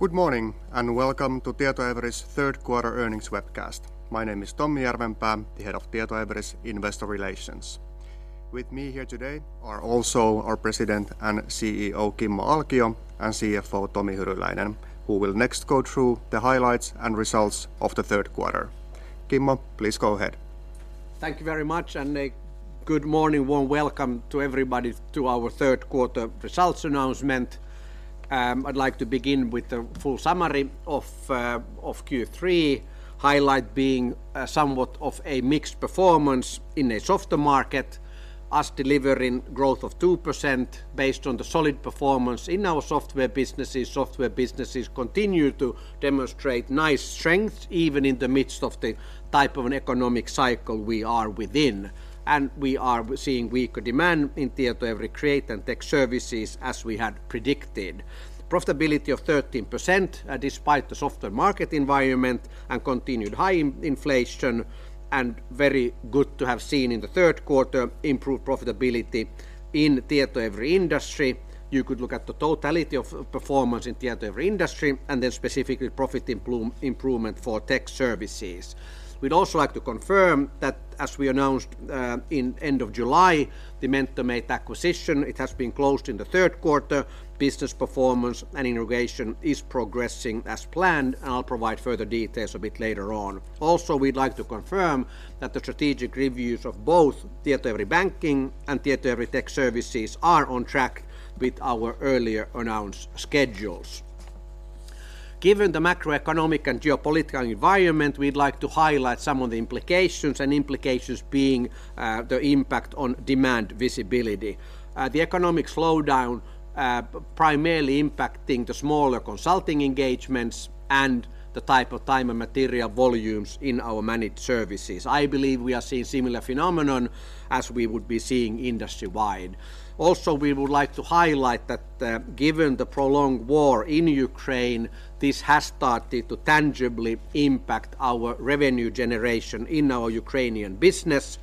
Good morning, and welcome to Tietoevry's third quarter earnings webcast. My name is Tommi Järvenpää, the head of Tietoevry's Investor Relations. With me here today are also our President and CEO, Kimmo Alkio, and CFO, Tomi Hyryläinen, who will next go through the highlights and results of the third quarter. Kimmo, please go ahead. Thank you very much, and a good morning, warm welcome to everybody to our third quarter results announcement. I'd like to begin with the full summary of Q3, highlight being somewhat of a mixed performance in a softer market, us delivering growth of 2% based on the solid performance in our software businesses. Software businesses continue to demonstrate nice strength, even in the midst of the type of an economic cycle we are within. We are seeing weaker demand in Tietoevry Create and Tech Services, as we had predicted. Profitability of 13%, despite the softer market environment and continued high inflation, and very good to have seen in the third quarter, improved profitability in Tietoevry Industry. You could look at the totality of performance in Tietoevry Industry, and then specifically profit improvement for Tech Services. We'd also like to confirm that, as we announced, in end of July, the MentorMate acquisition, it has been closed in the third quarter. Business performance and integration is progressing as planned, and I'll provide further details a bit later on. Also, we'd like to confirm that the strategic reviews of both Tietoevry Banking and Tietoevry Tech Services are on track with our earlier announced schedules. Given the macroeconomic and geopolitical environment, we'd like to highlight some of the implications, and implications being, the impact on demand visibility. The economic slowdown, primarily impacting the smaller consulting engagements and the type of time and material volumes in our managed services. I believe we are seeing similar phenomenon as we would be seeing Industry-wide. Also, we would like to highlight that, given the prolonged war in Ukraine, this has started to tangibly impact our revenue generation in our Ukrainian business.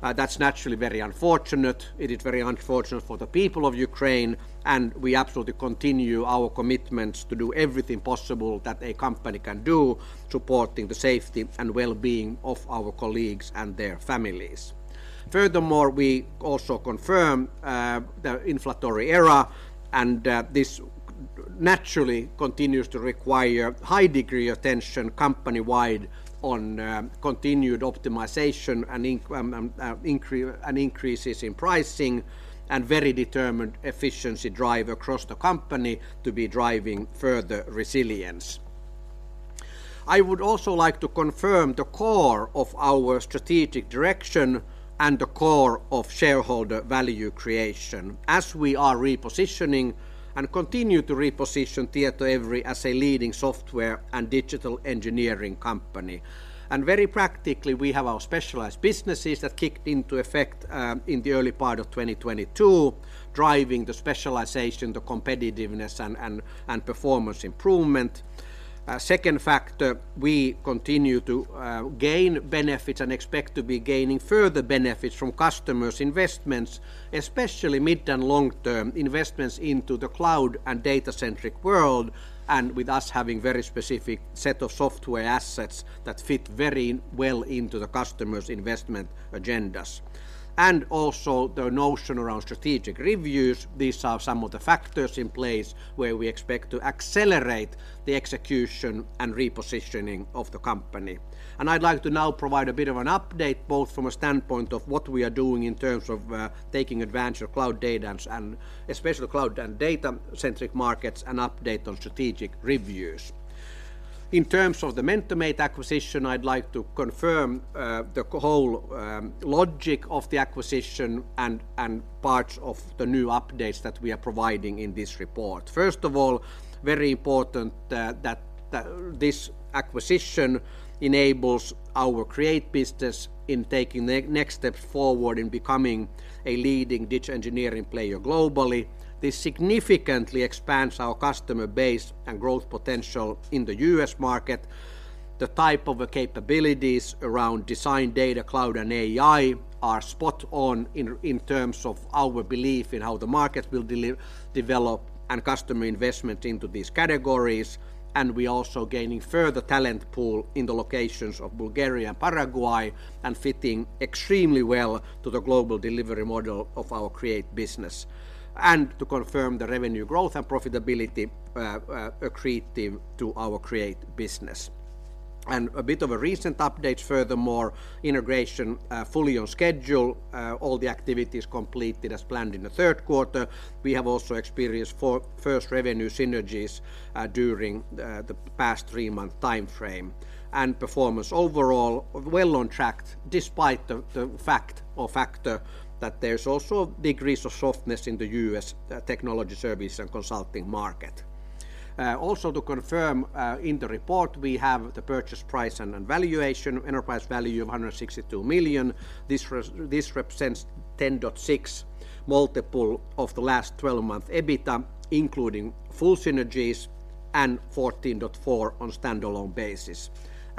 That's naturally very unfortunate. It is very unfortunate for the people of Ukraine, and we absolutely continue our commitments to do everything possible that a company can do, supporting the safety and well-being of our colleagues and their families. Furthermore, we also confirm the inflationary era, and this naturally continues to require high-degree attention company-wide on continued optimization and increases in pricing, and very determined efficiency drive across the company to be driving further resilience. I would also like to confirm the core of our strategic direction and the core of shareholder value creation, as we are repositioning and continue to reposition Tietoevry as a leading software and digital engineering company. Very practically, we have our specialized businesses that kicked into effect in the early part of 2022, driving the specialization, the competitiveness, and performance improvement. Second factor, we continue to gain benefits and expect to be gaining further benefits from customers' investments, especially mid- and long-term investments into the cloud and data-centric world, and with us having very specific set of software assets that fit very well into the customers' investment agendas. And also, the notion around strategic reviews, these are some of the factors in place where we expect to accelerate the execution and repositioning of the company. And I'd like to now provide a bit of an update, both from a standpoint of what we are doing in terms of taking advantage of cloud data and especially cloud and data-centric markets, and update on strategic reviews. In terms of the MentorMate acquisition, I'd like to confirm the whole logic of the acquisition and parts of the new updates that we are providing in this report. First of all, very important that this acquisition enables our Create business in taking the next steps forward in becoming a leading digital engineering player globally. This significantly expands our customer base and growth potential in the U.S. market. The type of capabilities around design, data, cloud, and AI are spot on in terms of our belief in how the market will develop and customer investment into these categories. And we're also gaining further talent pool in the locations of Bulgaria and Paraguay, and fitting extremely well to the global delivery model of our Create business. And to confirm the revenue growth and profitability, accretive to our Create business. A bit of a recent update, furthermore, integration fully on schedule, all the activities completed as planned in the third quarter. We have also experienced first revenue synergies during the past three month timeframe. Performance overall well on track, despite the fact or factor that there's also degrees of softness in the U.S. technology service and consulting market. Also to confirm in the report, we have the purchase price and valuation, enterprise value of 162 million. This represents 10.6x multiple of the last 12 month EBITA, including full synergies, and 14.4 on standalone basis. We fully expect the synergy realization to take place within the first 24 month timeframe. We are currently very satisfied. Things are ticking exactly according to our internal integration plan, and activities taking place of expanding the addressable market reach in the U.S. Next, into our strategic reviews. As earlier mentioned, both are on track with the earlier announced schedules,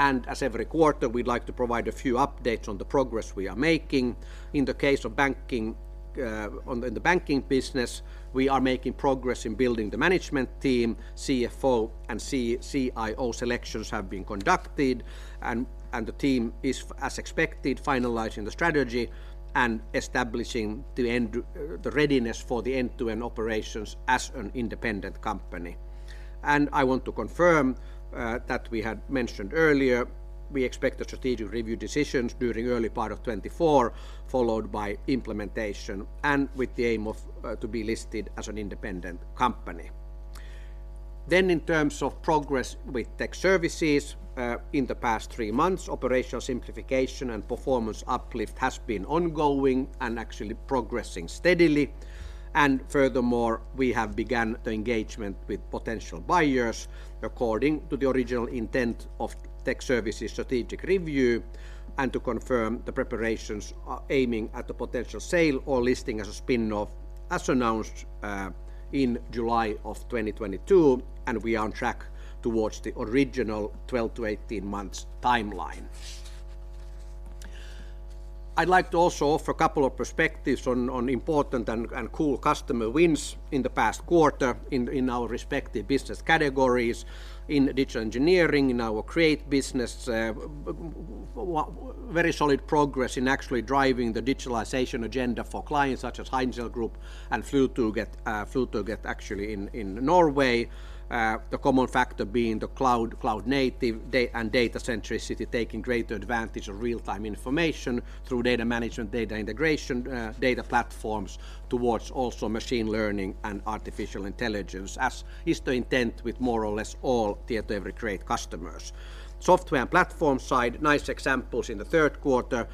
and as every quarter, we'd like to provide a few updates on the progress we are making. In the case of banking, in the banking business, we are making progress in building the management team, CFO and CIO selections have been conducted, and the team is, as expected, finalizing the strategy and establishing the readiness for the end-to-end operations as an independent company. And I want to confirm, that we had mentioned earlier, we expect the strategic review decisions during early part of 2024, followed by implementation, and with the aim of, to be listed as an independent company. Then in terms of progress with Tech Services, in the past three months, operational simplification and performance uplift has been ongoing and actually progressing steadily. Furthermore, we have begun the engagement with potential buyers according to the original intent of Tech Services strategic review, and to confirm the preparations, aiming at the potential sale or listing as a spin-off, as announced, in July of 2022, and we are on track towards the original 12-18 months timeline. I'd like to also offer a couple of perspectives on, on important and, and cool customer wins in the past quarter in, in our respective business categories. In digital engineering, in our Create business, very solid progress in actually driving the digitalization agenda for clients such as Heinzel Group and Flytoget, Flytoget actually in, in Norway. The common factor being the cloud, cloud-native data and data centricity, taking greater advantage of real-time information through data management, data integration, data platforms towards also machine learning and artificial intelligence, as is the intent with more or less all Tietoevry Create customers. Software and platform side, nice examples in the third quarter,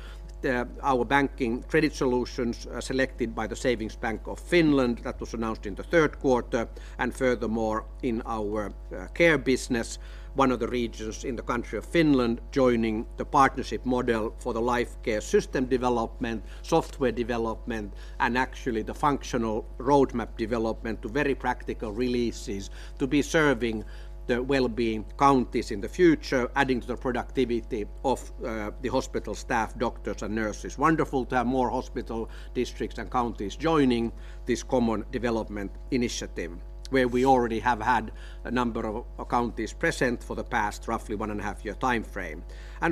our banking credit solutions, selected by the Savings Bank of Finland, that was announced in the third quarter. Furthermore, in our care business, one of the regions in the country of Finland joining the partnership model for the Lifecare system development, software development, and actually the functional roadmap development to very practical releases to be serving the wellbeing counties in the future, adding to the productivity of the hospital staff, doctors and nurses. Wonderful to have more hospital districts and counties joining this common development initiative, where we already have had a number of counties present for the past roughly one and a half year timeframe.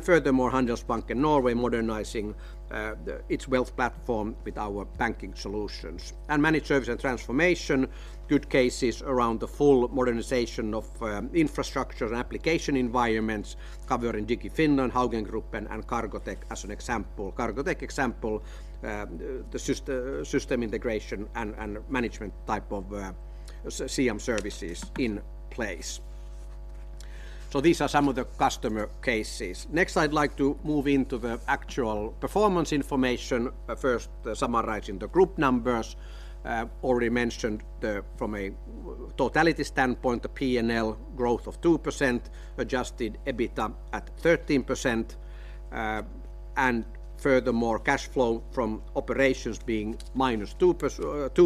Furthermore, Handelsbanken Norway modernizing its wealth platform with our banking solutions. Managed service and transformation, good cases around the full modernization of infrastructure and application environments covered in DigiFinland, Haugen Group, and Cargotec as an example. Cargotec example, the system integration and management type of SIAM services in place. So these are some of the customer cases. Next, I'd like to move into the actual performance information. First, summarizing the group numbers. Already mentioned the, from a totality standpoint, the P&L growth of 2%, adjusted EBITDA at 13%, and furthermore, cash flow from operations being minus 2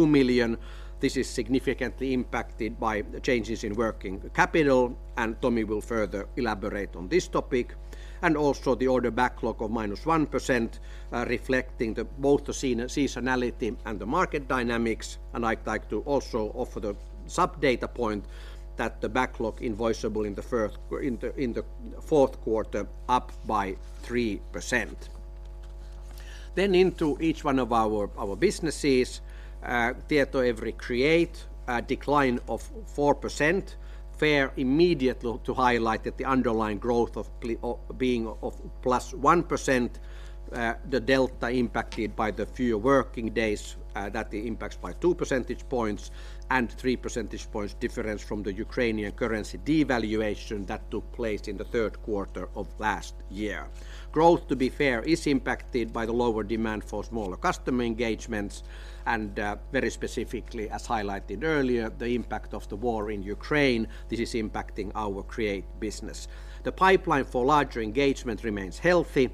million. This is significantly impacted by the changes in working capital, and Tomi will further elaborate on this topic. Also the order backlog of -1%, reflecting the both the seasonality and the market dynamics. I'd like to also offer the sub-data point that the backlog invoicable in the fourth quarter, up by 3%. Then into each one of our businesses, Tietoevry Create, a decline of 4%. Very important to highlight that the underlying growth of +1%, the delta impacted by the fewer working days, that impacts by 2 percentage points, and 3 percentage points difference from the Ukrainian currency devaluation that took place in the third quarter of last year. Growth, to be fair, is impacted by the lower demand for smaller customer engagements, and very specifically, as highlighted earlier, the impact of the war in Ukraine. This is impacting our Create business. The pipeline for larger engagement remains healthy,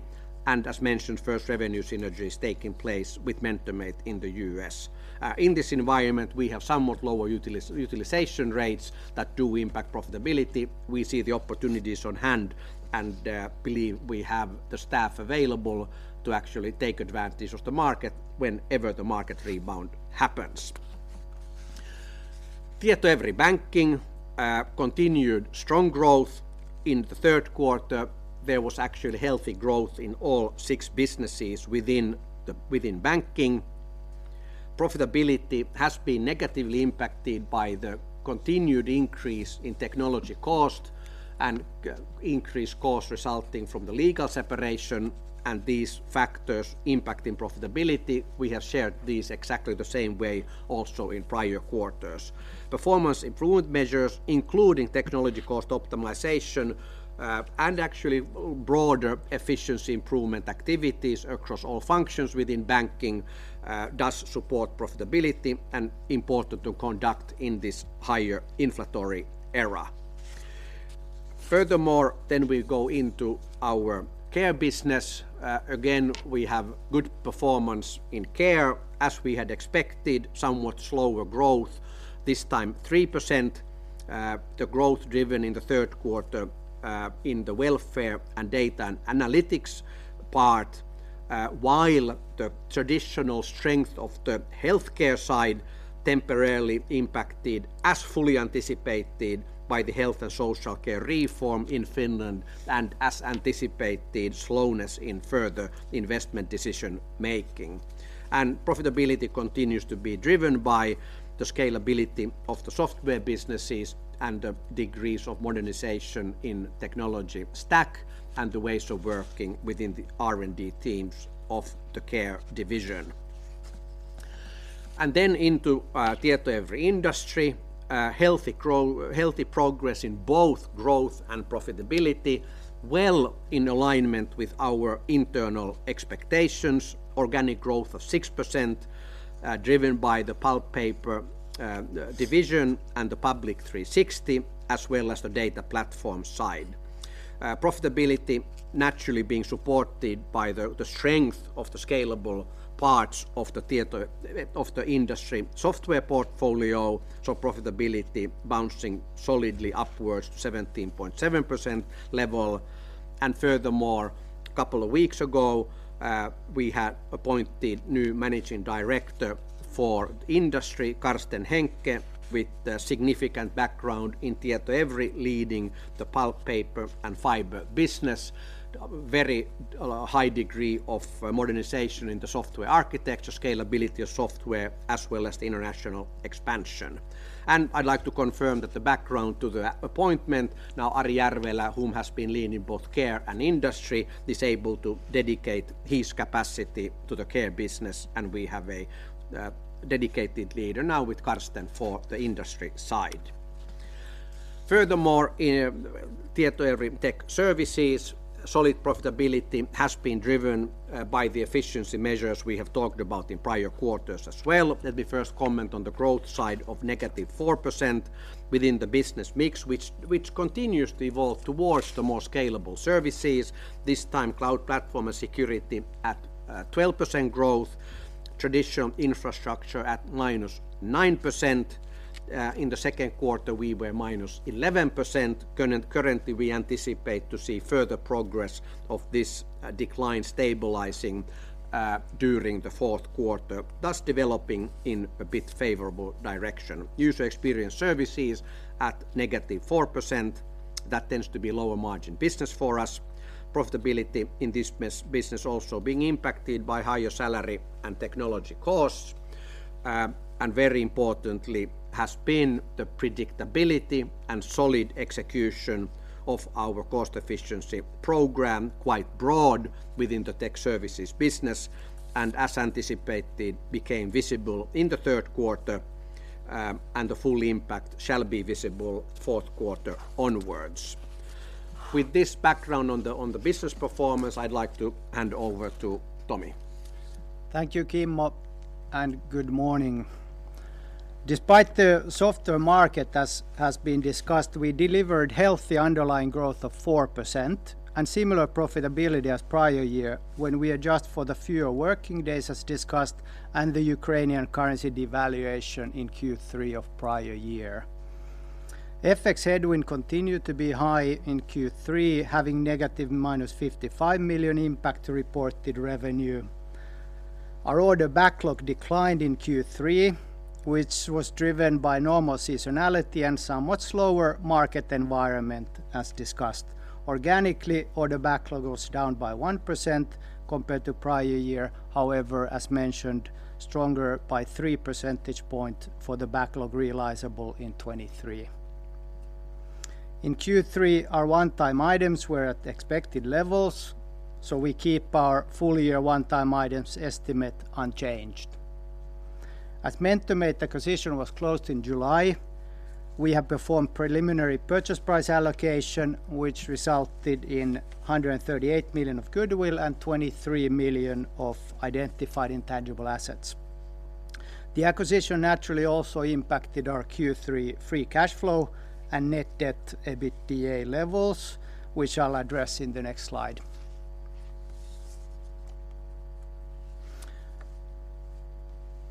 and as mentioned, first revenue synergy is taking place with MentorMate in the U.S. In this environment, we have somewhat lower utilization rates that do impact profitability. We see the opportunities on hand, and believe we have the staff available to actually take advantage of the market whenever the market rebound happens. Tietoevry Banking continued strong growth in the third quarter. There was actually healthy growth in all six businesses within banking. Profitability has been negatively impacted by the continued increase in technology cost and increased cost resulting from the legal separation and these factors impacting profitability. We have shared these exactly the same way also in prior quarters. Performance improvement measures, including technology cost optimization, and actually broader efficiency improvement activities across all functions within banking, does support profitability and important to conduct in this higher inflationary era. Furthermore, then we go into our care business. Again, we have good performance in care, as we had expected, somewhat slower growth, this time 3%. The growth parts of the industry software portfolio, so profitability bouncing solidly upwards to 17.7% level. Furthermore, couple of weeks ago, we had appointed new Managing Director for Industry, Carsten Henke, with a significant background in Tietoevry, leading the pulp, paper, and fiber business. A very high degree of modernization in the software architecture, scalability of software, as well as the international expansion. And I'd like to confirm that the background to the appointment, now Ari Järvelä, whom has been leading both care and industry, is able to dedicate his capacity to the care business, and we have a dedicated leader now with Carsten for the industry side. Furthermore, in Tietoevry Tech Services, solid profitability has been driven by the efficiency measures we have talked about in prior quarters as well. Let me first comment on the growth side of -4% within the business mix, which continues to evolve towards the more scalable services, this time cloud platform and security at 12% growth, traditional infrastructure at -9%. In the second quarter, we were -11%. Currently, we anticipate to see further progress of this decline stabilizing during the fourth quarter, thus developing in a bit favorable direction. User experience services at -4%. That tends to be lower margin business for us. Profitability in this business also being impacted by higher salary and technology costs, and very importantly, has been the predictability and solid execution of our cost efficiency program, quite broad within the Tech Services business, and as anticipated, became visible in the third quarter, and the full impact shall be visible fourth quarter onwards. With this background on the business performance, I'd like to hand over to Tomi. Thank you, Kimmo, and good morning. Despite the softer market, as has been discussed, we delivered healthy underlying growth of 4% and similar profitability as prior year when we adjust for the fewer working days, as discussed, and the Ukrainian currency devaluation in Q3 of prior year. FX headwind continued to be high in Q3, having negative minus 55 million impact to reported revenue. Our order backlog declined in Q3, which was driven by normal seasonality and somewhat slower market environment, as discussed. Organically, order backlog was down by 1% compared to prior year. However, as mentioned, stronger by 3 percentage point for the backlog realizable in 2023. In Q3, our one time items were at expected levels, so we keep our full-year one-time items estimate unchanged. As the MentorMate acquisition was closed in July, we have performed preliminary purchase price allocation, which resulted in 138 million of goodwill and 23 million of identified intangible assets. The acquisition naturally also impacted our Q3 Free Cash Flow and net debt EBITDA levels, which I'll address in the next slide.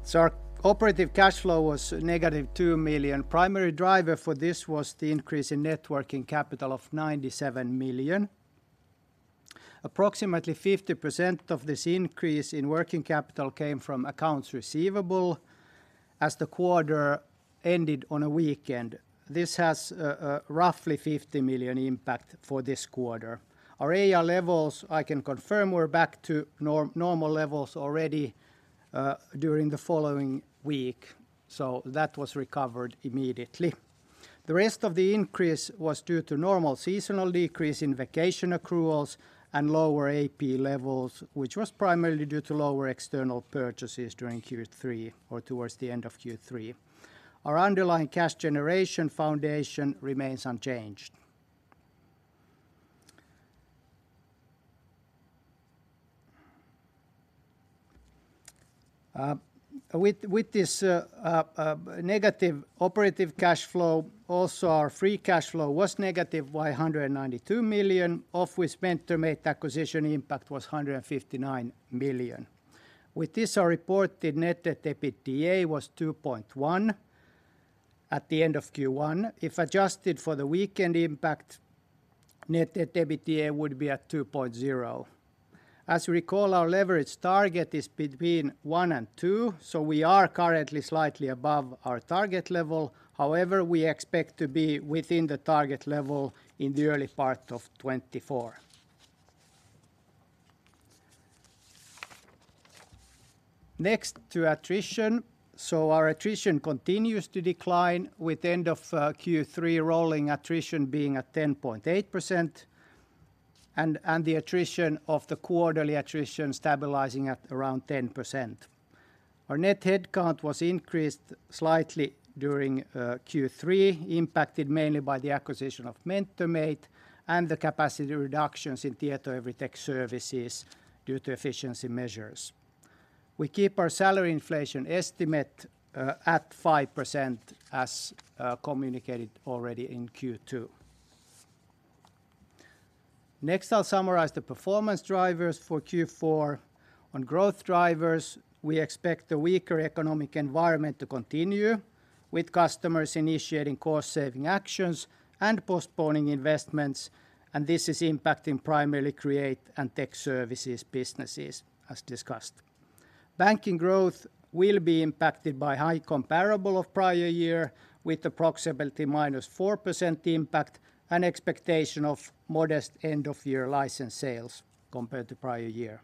So our operative cash flow was negative 2 million. Primary driver for this was the increase in net working capital of 97 million. Approximately 50% of this increase in working capital came from accounts receivable as the quarter ended on a weekend. This has roughly 50 million impact for this quarter. Our AR levels, I can confirm we're back to normal levels already during the following week, so that was recovered immediately. The rest of the increase was due to normal seasonal decrease in vacation accruals and lower AP levels, which was primarily due to lower external purchases during Q3 or towards the end of Q3. Our underlying cash generation foundation remains unchanged. With this negative operating cash flow, also our Free Cash Flow was negative by 192 million, of which MentorMate acquisition impact was 159 million. With this, our reported net debt/EBITDA was 2.1 at the end of Q3. If adjusted for the acquisition impact, net debt/EBITDA would be at 2.0. As you recall, our leverage target is between one and two, so we are currently slightly above our target level. However, we expect to be within the target level in the early part of 2024. Next, attrition. So our attrition continues to decline, with end of Q3 rolling attrition being at 10.8%, and the quarterly attrition stabilizing at around 10%. Our net headcount was increased slightly during Q3, impacted mainly by the acquisition of MentorMate and the capacity reductions in Tietoevry Tech Services due to efficiency measures. We keep our salary inflation estimate at 5%, as communicated already in Q2. Next, I'll summarize the performance drivers for Q4. On growth drivers, we expect the weaker economic environment to continue, with customers initiating cost-saving actions and postponing investments, and this is impacting primarily Create and Tech Services businesses, as discussed. Banking growth will be impacted by high comparable of prior year, with approximately -4% impact and expectation of modest end-of-year license sales compared to prior year.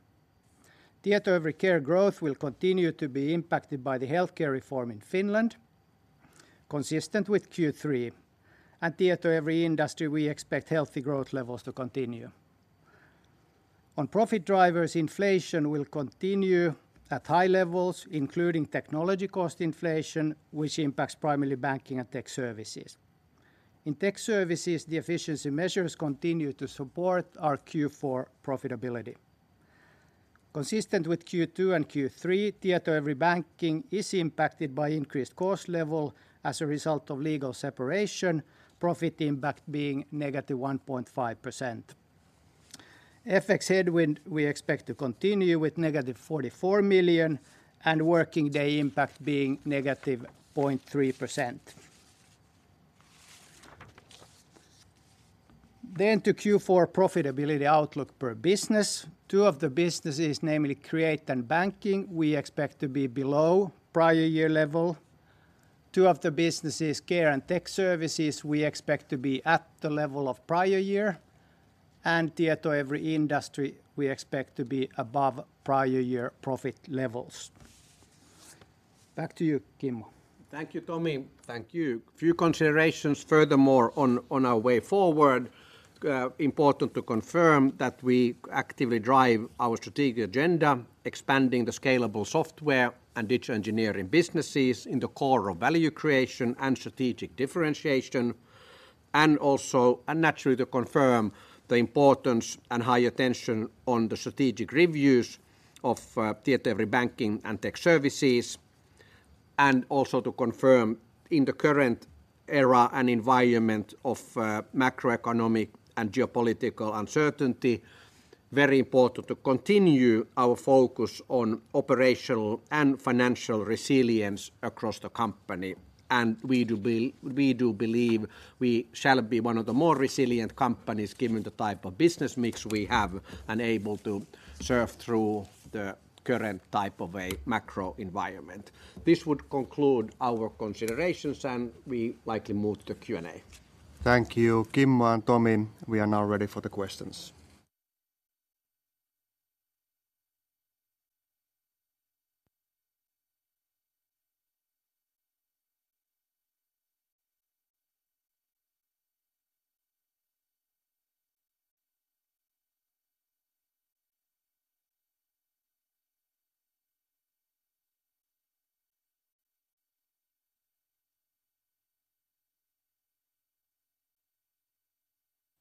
Tietoevry Care growth will continue to be impacted by the healthcare reform in Finland, consistent with Q3. At Tietoevry Industry, we expect healthy growth levels to continue. On profit drivers, inflation will continue at high levels, including technology cost inflation, which impacts primarily Banking and Tech Services. In Tech Services, the efficiency measures continue to support our Q4 profitability. Consistent with Q2 and Q3, Tietoevry Banking is impacted by increased cost level as a result of legal separation, profit impact being -1.5%. FX headwind, we expect to continue with negative 44 million, and working day impact being -0.3%. Then to Q4 profitability outlook per business. Two of the businesses, namely Create and Banking, we expect to be below prior year level. Two of the businesses, Care and Tech Services, we expect to be at the level of prior year. Tietoevry Industry, we expect to be above prior year profit levels. Back to you, Kimmo. Thank you, Tomi. Thank you. Few considerations furthermore on our way forward. Important to confirm that we actively drive our strategic agenda, expanding the scalable software and digital engineering businesses in the core of value creation and strategic differentiation, and also. And naturally, to confirm the importance and high attention on the strategic reviews of Tietoevry Banking and Tech Services, and also to confirm in the current era and environment of macroeconomic and geopolitical uncertainty, very important to continue our focus on operational and financial resilience across the company. And we do believe we shall be one of the more resilient companies, given the type of business mix we have, and able to surf through the current type of a macro environment. This would conclude our considerations, and we likely move to Q&A. Thank you, Kimmo and Tomi. We are now ready for the questions.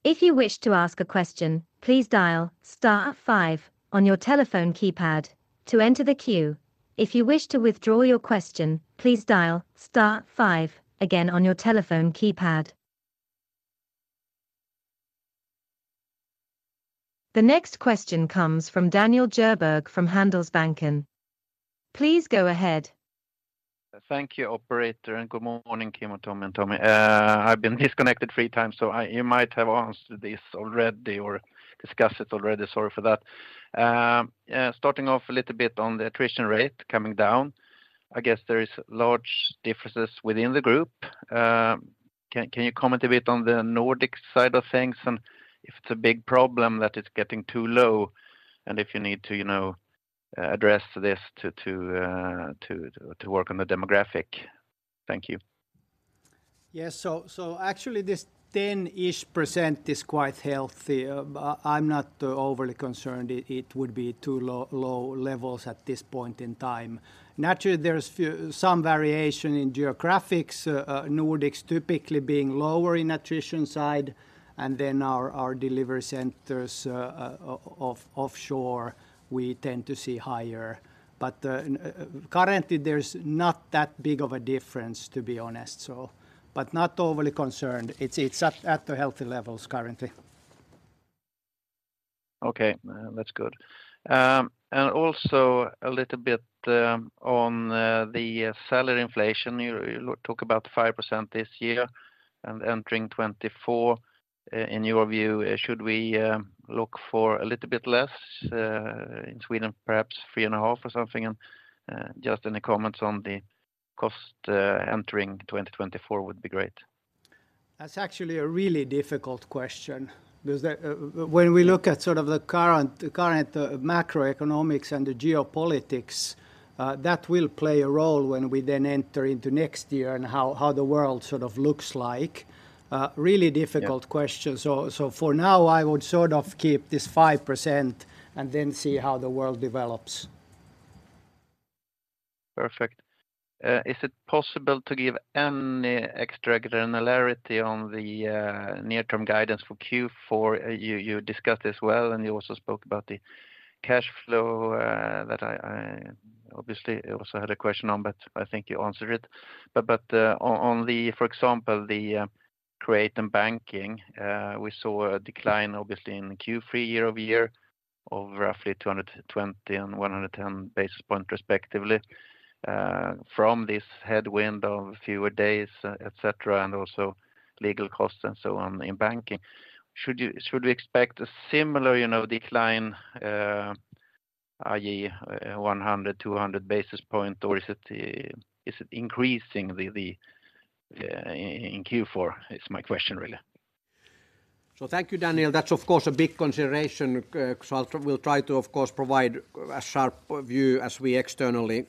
If you wish to ask a question, please dial star five on your telephone keypad to enter the queue. If you wish to withdraw your question, please dial star five again on your telephone keypad. The next question comes from Daniel Djurberg from Handelsbanken. Please go ahead. Thank you, operator, and good morning, Kimmo, Tomi, and Tomi. I've been disconnected three times, so you might have answered this already or discussed it already. Sorry for that. Yeah, starting off a little bit on the attrition rate coming down, I guess there is large differences within the group. Can you comment a bit on the Nordic side of things? And if it's a big problem that it's getting too low, and if you need to, you know, address this to work on the demographic. Thank you. Yes. So actually this 10% ish is quite healthy. I'm not overly concerned it would be too low levels at this point in time. Naturally, there's some variation in geographies, Nordics typically being lower in attrition side, and then our delivery centers offshore, we tend to see higher. But currently, there's not that big of a difference, to be honest, so. But not overly concerned. It's at the healthy levels currently. Okay, that's good. And also a little bit on the salary inflation. You talk about 5% this year and entering 2024. In your view, should we look for a little bit less in Sweden, perhaps 3.5 or something? And just any comments on the cost entering 2024 would be great. That's actually a really difficult question. Because when we look at sort of the current macroeconomics and the geopolitics that will play a role when we then enter into next year and how the world sort of looks like. Really difficult. Yeah. Question. So, so for now, I would sort of keep this 5% and then see how the world develops. Perfect. Is it possible to give any extra granularity on the near-term guidance for Q4? You discussed as well, and you also spoke about the cash flow that I obviously also had a question on, but I think you answered it. But on the. For example, the Create and Banking, we saw a decline, obviously, in Q3 year-over-year of roughly 220 and 110 basis points, respectively, from this headwind of fewer days, etc, and also legal costs and so on in banking. Should we expect a similar, you know, decline, i.e., 100, 200 basis points, or is it increasing the, the, in Q4? It's my question, really. So thank you, Daniel. That's of course a big consideration. So we'll try to, of course, provide a sharp view as we externally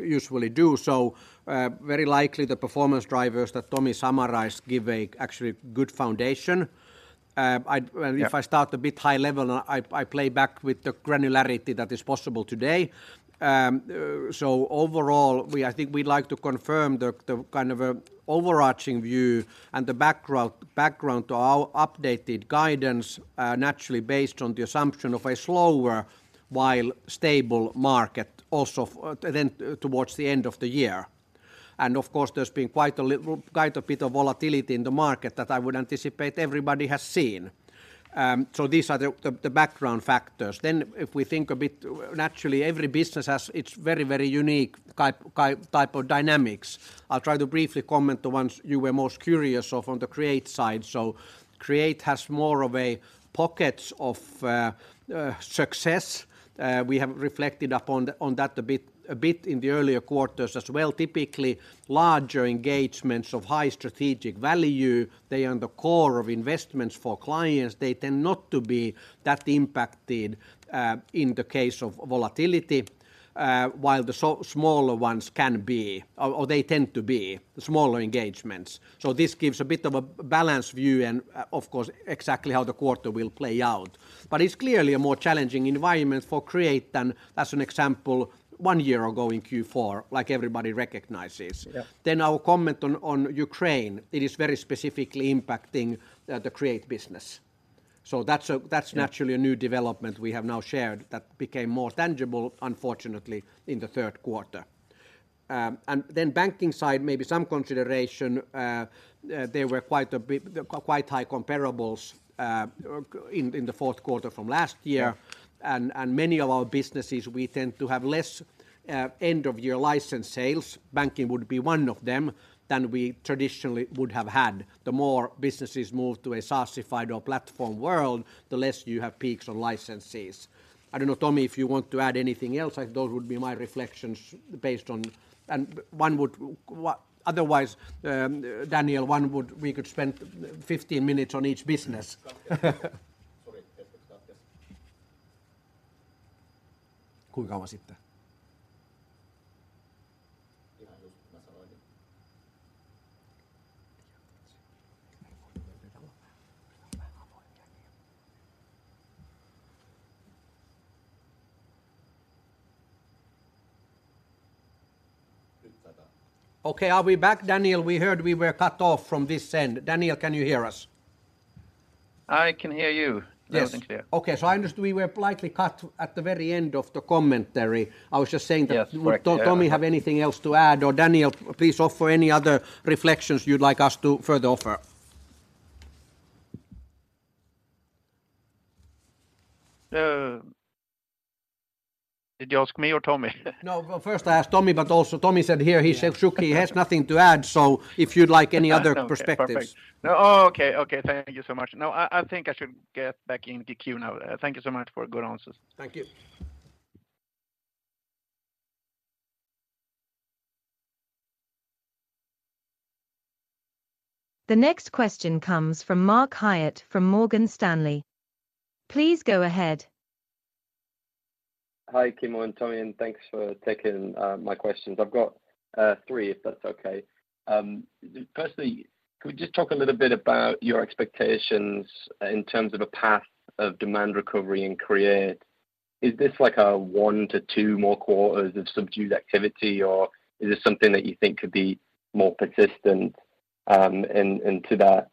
usually do. So, very likely, the performance drivers that Tomi summarized give a actually good foundation. Yeah And if I start a bit high level, I play back with the granularity that is possible today. So overall, I think we'd like to confirm the kind of overarching view and the background, background to our updated guidance, naturally based on the assumption of a slower while stable market also then towards the end of the year. And of course, there's been quite a bit of volatility in the market that I would anticipate everybody has seen. So these are the background factors. Then if we think a bit, naturally, every business has its very unique type of dynamics. I'll try to briefly comment the ones you were most curious of on the Create side. So Create has more of a pockets of success. We have reflected upon, on that a bit, a bit in the earlier quarters as well. Typically, larger engagements of high strategic value, they are the core of investments for clients. They tend not to be that impacted, in the case of volatility, while the smaller ones can be or, or they tend to be smaller engagements. So this gives a bit of a balanced view and, of course, exactly how the quarter will play out. But it's clearly a more challenging environment for Create than, as an example, one year ago in Q4, like everybody recognizes. Yeah. Then I'll comment on Ukraine. It is very specifically impacting the Create business. So that's a. Yeah. That's naturally a new development we have now shared that became more tangible, unfortunately, in the third quarter. And then banking side, maybe some consideration, there were quite high comparables, in the fourth quarter from last year. Yeah. Many of our businesses, we tend to have less end-of-year license sales, banking would be one of them, than we traditionally would have had. The more businesses move to a SaaSified or platform world, the less you have peaks on licenses. I don't know, Tomi, if you want to add anything else. Those would be my reflections based on. Otherwise, Daniel, we could spend 15 minutes on each business. Okay, are we back, Daniel? We heard we were cut off from this end. Daniel, can you hear us? I can hear you. Yes. Loud and clear. Okay. So I understand we were politely cut at the very end of the commentary. I was just saying that. Yes, correct. Tomi, have anything else to add, or Daniel, please offer any other reflections you'd like us to further offer? Did you ask me or Tomi? No, well, first I asked Tomi, but also Tomi said here he said, "Shuki has nothing to add." So if you'd like any other perspectives. No, perfect. No. Okay, okay, thank you so much. No, I, I think I should get back in the queue now. Thank you so much for your good answers. Thank you. The next question comes from Mark Hyatt from Morgan Stanley. Please go ahead. Hi, Kimmo and Tomi, and thanks for taking my questions. I've got three, if that's okay. Firstly, could you just talk a little bit about your expectations in terms of a path of demand recovery in Create? Is this like 1-2 more quarters of subdued activity, or is this something that you think could be more persistent? And to that,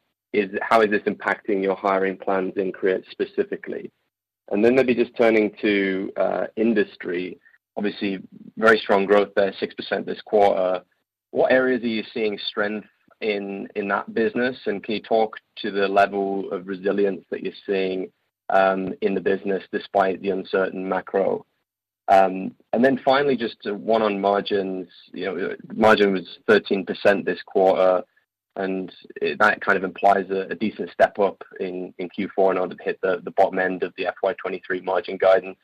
how is this impacting your hiring plans in Create specifically? And then maybe just turning to industry, obviously, very strong growth there, 6% this quarter. What areas are you seeing strength in, in that business, and can you talk to the level of resilience that you're seeing in the business despite the uncertain macro? And then finally, just one on margins. You know, margin was 13% this quarter, and that kind of implies a decent step up in Q4 in order to hit the bottom end of the FY 2023 margin guidance.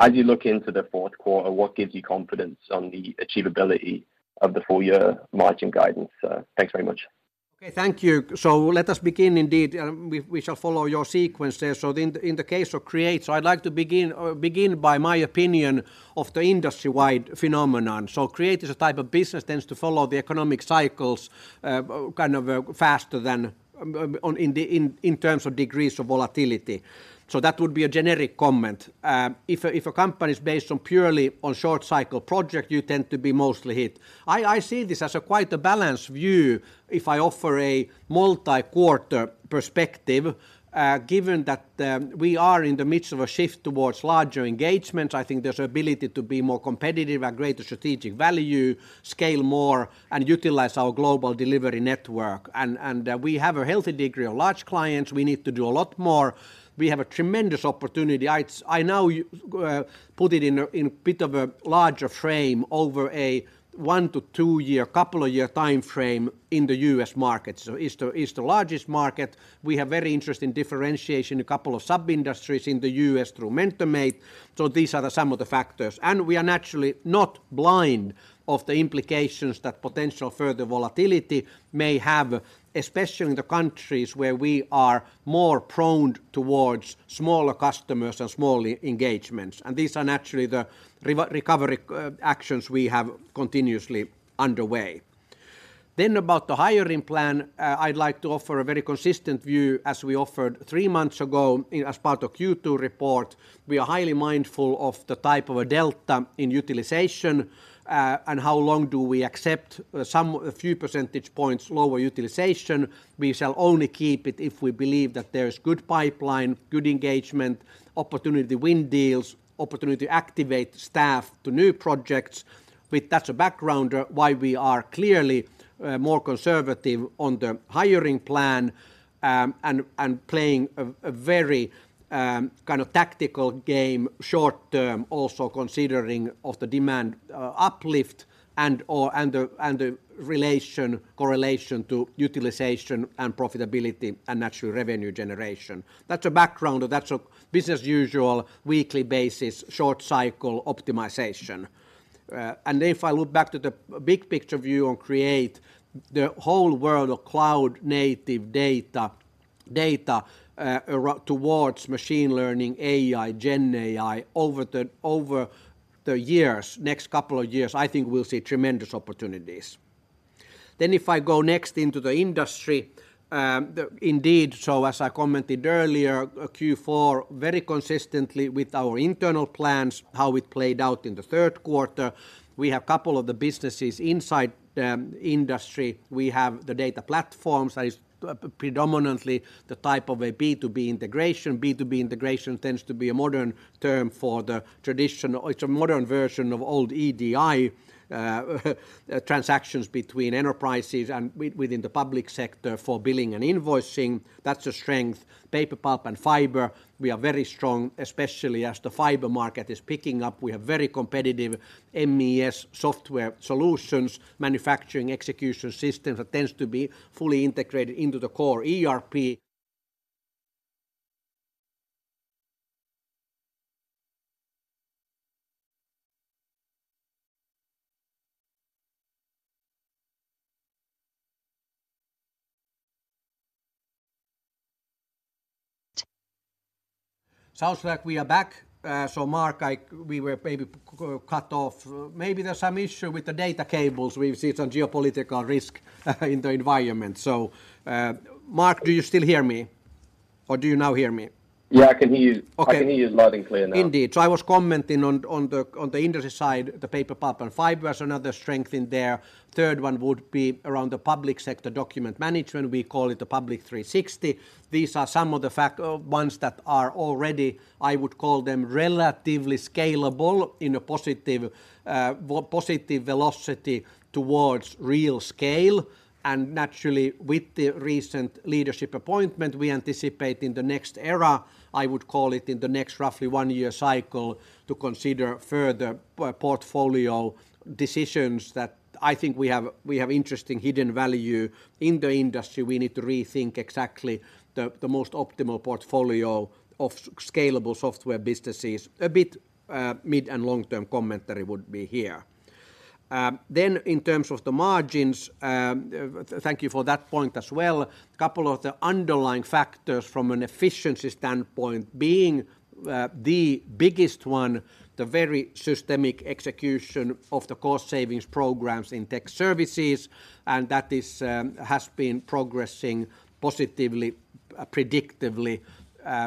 As you look into the fourth quarter, what gives you confidence on the achievability of the full year margin guidance? Thanks very much. Okay, thank you. So let us begin indeed, and we shall follow your sequence there. So in the case of Create, I'd like to begin by my opinion of the industry-wide phenomenon. So Create as a type of business tends to follow the economic cycles kind of faster than in terms of degrees of volatility. So that would be a generic comment. If a company is based purely on short-cycle project, you tend to be mostly hit. I see this as quite a balanced view if I offer a multi-quarter perspective. Given that, we are in the midst of a shift towards larger engagements, I think there's ability to be more competitive and greater strategic value, scale more, and utilize our global delivery network. We have a healthy degree of large clients. We need to do a lot more. We have a tremendous opportunity. I now put it in a bit of a larger frame over a 1-2 year, couple of year timeframe in the U.S. market. So it's the largest market. We have very interesting differentiation in a couple of sub-industries in the U.S. through MentorMate. So these are some of the factors. And we are naturally not blind of the implications that potential further volatility may have, especially in the countries where we are more prone towards smaller customers and small engagements, and these are naturally the recovery actions we have continuously underway. Then about the hiring plan, I'd like to offer a very consistent view as we offered three months ago as part of Q2 report. We are highly mindful of the type of a delta in utilization and how long do we accept a few percentage points lower utilization. We shall only keep it if we believe that there's good pipeline, good engagement, opportunity to win deals, opportunity to activate staff to new projects. With that's a background why we are clearly more conservative on the hiring plan and playing a very kind of tactical game short term, also considering of the demand uplift and/or and the relation correlation to utilization and profitability and natural revenue generation. That's a background, or that's business-as-usual, weekly basis, short-cycle optimization. And if I look back to the big-picture view on Create, the whole world of cloud-native data around towards machine learning, AI, GenAI, over the next couple of years, I think we'll see tremendous opportunities. Then if I go next into the industry, the industry, so as I commented earlier, Q4 very consistently with our internal plans, how it played out in the third quarter. We have couple of the businesses inside industry. We have the data platforms that is predominantly the type of a B2B integration. B2B integration tends to be a modern term for the traditional. It's a modern version of old EDI transactions between enterprises and within the public sector for billing and invoicing. That's a strength. Paper, pulp, and fiber, we are very strong, especially as the fiber market is picking up. We have very competitive MES software solutions, manufacturing execution systems, that tends to be fully integrated into the core ERP. Sounds like we are back. So Mark, we were maybe getting cut off. Maybe there's some issue with the data cables. We've seen some geopolitical risk in the environment. So, Mark, do you still hear me, or do you now hear me? Yeah, I can hear you. Okay. I can hear you loud and clear now. Indeed. So I was commenting on the industry side, the paper, pulp, and fiber has another strength in there. Third one would be around the public sector document management. We call it the Public 360. These are some of the fast ones that are already, I would call them, relatively scalable in a positive velocity towards real scale. And naturally, with the recent leadership appointment, we anticipate in the next era, I would call it, in the next roughly one year cycle, to consider further portfolio decisions that I think we have, we have interesting hidden value in the industry. We need to rethink exactly the most optimal portfolio of scalable software businesses. A bit mid and long-term commentary would be here. Then in terms of the margins, thank you for that point as well. Couple of the underlying factors from an efficiency standpoint being the biggest one, the very systemic execution of the cost savings programs in Tech Services, and that is has been progressing positively, predictively,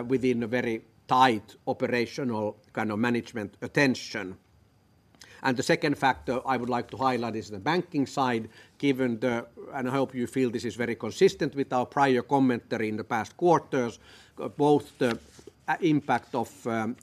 within a very tight operational kind of management attention. And the second factor I would like to highlight is the banking side, given and I hope you feel this is very consistent with our prior commentary in the past quarters. Both the impact of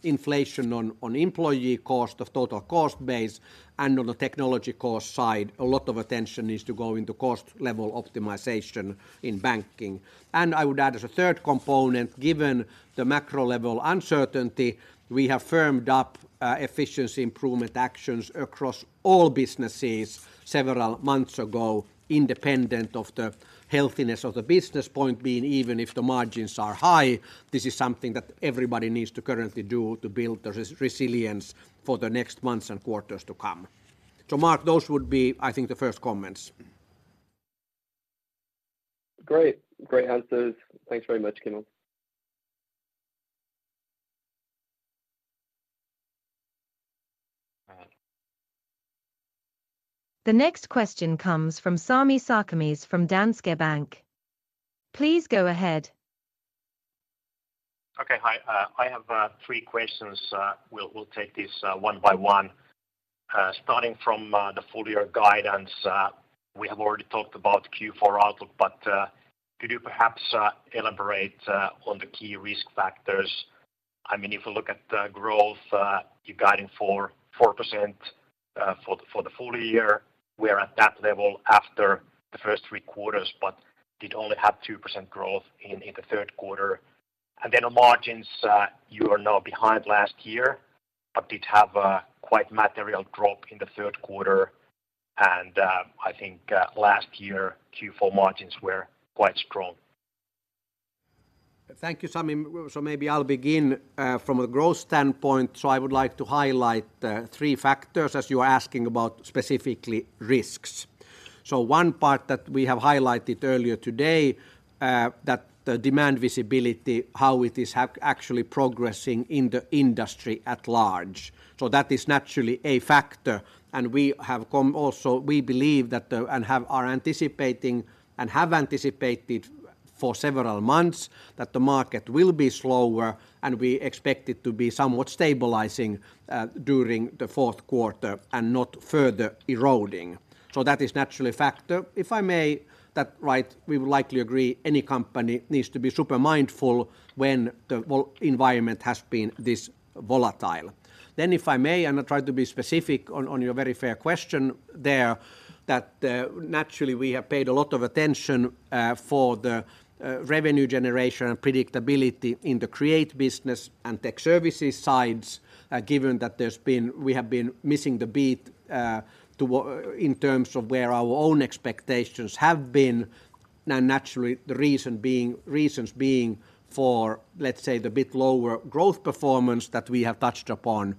inflation on, on employee cost, of total cost base, and on the technology cost side, a lot of attention needs to go into cost level optimization in banking. And I would add as a third component, given the macro level uncertainty, we have firmed up efficiency improvement actions across all businesses several months ago, independent of the healthiness of the business point being even if the margins are high, this is something that everybody needs to currently do to build the resilience for the next months and quarters to come. So Mark, those would be, I think, the first comments. Great. Great answers. Thanks very much, Kimmo. The next question comes from Sami Sarkamies from Danske Bank. Please go ahead. Okay. Hi, I have three questions. We'll take these one by one. Starting from the full year guidance, we have already talked about Q4 outlook, but could you perhaps elaborate on the key risk factors? I mean, if you look at the growth, you're guiding for 4% for the full year. We are at that level after the first three quarters, but did only have 2% growth in the third quarter. And then on margins, you are now behind last year, but did have a quite material drop in the third quarter. And I think last year, Q4 margins were quite strong. Thank you, Sami. Maybe I'll begin from a growth standpoint. I would like to highlight three factors, as you are asking about specifically risks. One part that we have highlighted earlier today, that the demand visibility, how it is actually progressing in the industry at large. That is naturally a factor, and we have come also. We believe that and are anticipating and have anticipated for several months, that the market will be slower, and we expect it to be somewhat stabilizing during the fourth quarter and not further eroding. That is naturally a factor. If I may, that's right, we will likely agree any company needs to be super mindful when the, well, environment has been this volatile. Then if I may, and I'll try to be specific on your very fair question there, that naturally, we have paid a lot of attention for the revenue generation and predictability in the Create business and Tech Services sides, given that we have been missing the beat in terms of where our own expectations have been. Now, naturally, the reasons being for, let's say, the bit lower growth performance that we have touched upon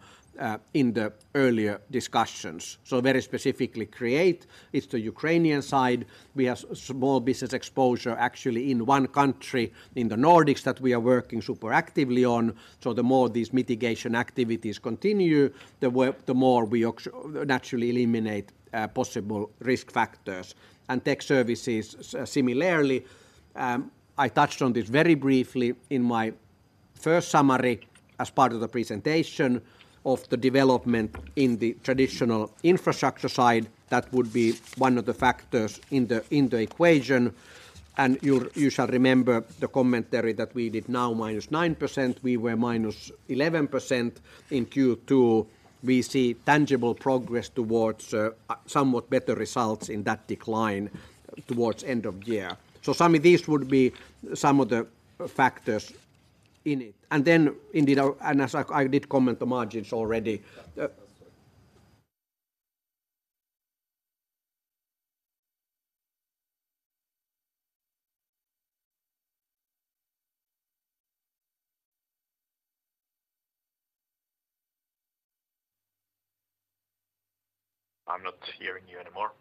in the earlier discussions. So very specifically, Create, it's the Ukrainian side. We have small business exposure, actually, in one country in the Nordics that we are working super actively on. So the more these mitigation activities continue, the more we naturally eliminate possible risk factors. And Tech Services, similarly, I touched on this very briefly in my first summary as part of the presentation of the development in the traditional infrastructure side. That would be one of the factors in the, in the equation. And you'll. You shall remember the commentary that we did now, -9%. We were -11% in Q2. We see tangible progress towards, somewhat better results in that decline towards end of year. So some of these would be some of the factors in it. And then indeed, and as I, I did comment the margins already. I'm not hearing you anymore.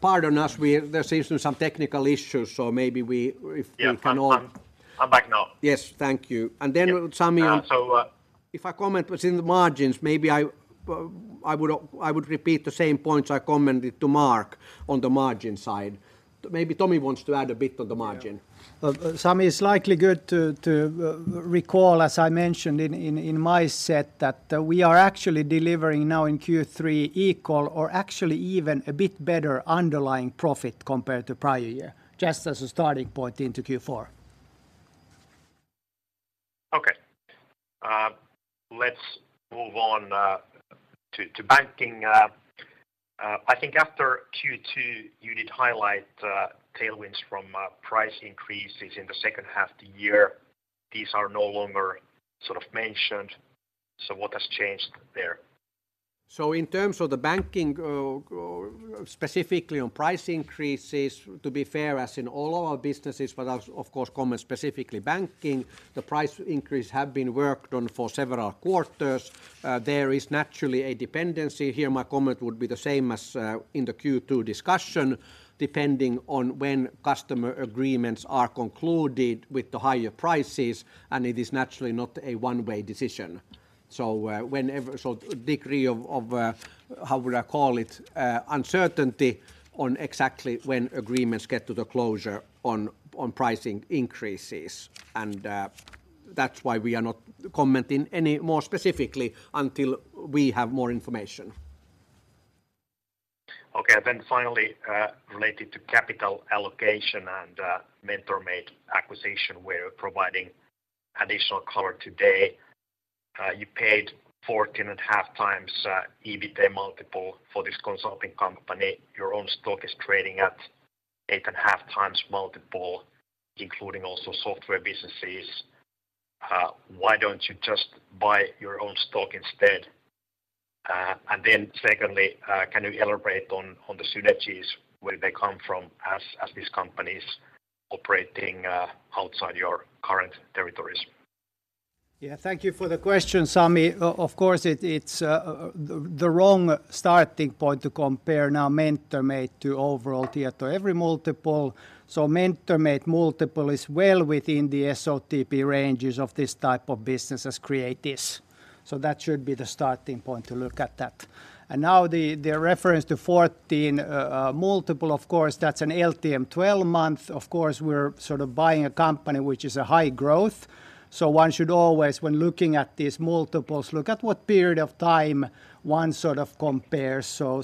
Pardon us, there's been some technical issues, so maybe we, if we can on. Yeah. I'm back now. Yes, thank you. And then Sami. So. If I comment within the margins, maybe I would repeat the same points I commented to Mark on the margin side. Maybe Tomi wants to add a bit on the margin. Yeah. Sami, it's likely good to recall, as I mentioned in my set, that we are actually delivering now in Q3 equal or actually even a bit better underlying profit compared to prior year, just as a starting point into Q4. Okay. Let's move on to banking. I think after Q2, you did highlight tailwinds from price increases in the second half the year. These are no longer sort of mentioned, so what has changed there? So in terms of the banking, specifically on price increases, to be fair, as in all our businesses, but as, of course, comment specifically banking, the price increase have been worked on for several quarters. There is naturally a dependency here. My comment would be the same as in the Q2 discussion, depending on when customer agreements are concluded with the higher prices, and it is naturally not a one-way decision. So, so degree of, of, how would I call it? Uncertainty on exactly when agreements get to the closure on, on pricing increases. And, that's why we are not commenting any more specifically until we have more information. Okay. Then finally, related to capital allocation and MentorMate acquisition, we're providing additional color today. You paid 14.5x EBITA multiple for this consulting company. Your own stock is trading at 8.5x multiple, including also software businesses. Why don't you just buy your own stock instead? And then secondly, can you elaborate on the synergies, where they come from as these companies operating outside your current territories? Yeah, thank you for the question, Sami. Of course, it's the wrong starting point to compare now MentorMate to overall Tietoevry multiple. So MentorMate multiple is well within the SOTP ranges of this type of business as Create is. So that should be the starting point to look at that. And now the reference to 14x multiple, of course, that's an LTM 12 month. Of course, we're sort of buying a company which is a high growth. So one should always, when looking at these multiples, look at what period of time one sort of compares. So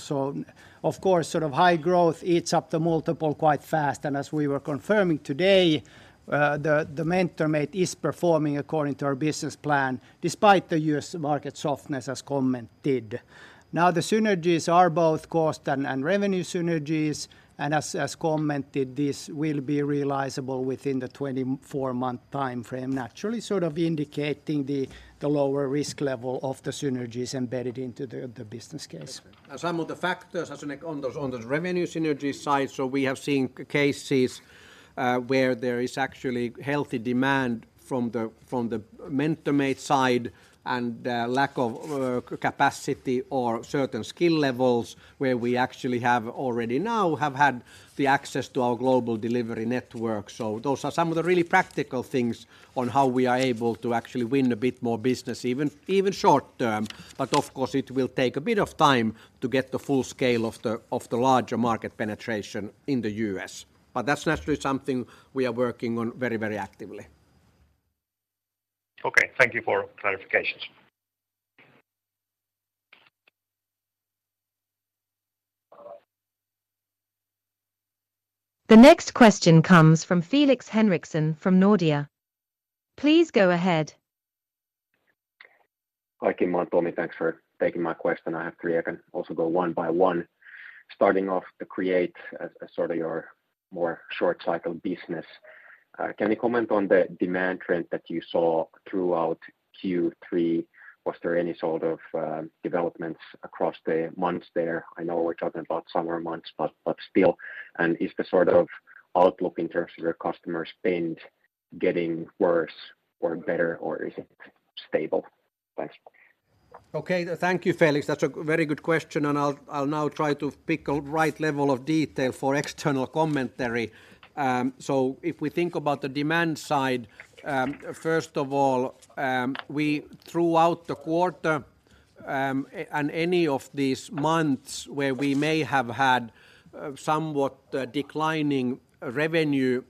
of course, sort of high growth eats up the multiple quite fast. And as we were confirming today, the MentorMate is performing according to our business plan, despite the U.S. market softness, as commented. Now, the synergies are both cost and revenue synergies, and as commented, this will be realizable within the 24 month timeframe, naturally, sort of indicating the lower risk level of the synergies embedded into the business case. And some of the factors as to on those revenue synergy side, so we have seen cases where there is actually healthy demand from the from the MentorMate side, and lack of capacity or certain skill levels, where we actually have already now have had the access to our global delivery network. So those are some of the really practical things on how we are able to actually win a bit more business, even short term. But of course, it will take a bit of time to get the full scale of the larger market penetration in the U.S. That's naturally something we are working on very, very actively. Okay, thank you for clarifications. The next question comes from Felix Henriksson from Nordea. Please go ahead. Hi, Kimmo and Tomi. Thanks for taking my question. I have three. I can also go one by one. Starting off the Create as sort of your more short cycle business, can you comment on the demand trend that you saw throughout Q3? Was there any sort of developments across the months there? I know we're talking about summer months, but still, and is the sort of outlook in terms of your customer spend getting worse or better, or is it stable? Thanks. Okay, thank you, Felix. That's a very good question, and I'll, I'll now try to pick a right level of detail for external commentary. So if we think about the demand side, first of all, we throughout the quarter, and any of these months where we may have had somewhat declining revenue